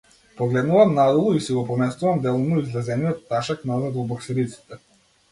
Погледнувам надолу, и си го поместувам делумно излезениот ташак назад во боксериците.